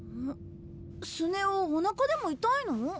スネ夫おなかでも痛いの？